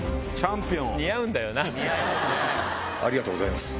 ありがとうございます。